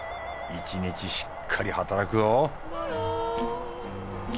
一日しっかり働くぞ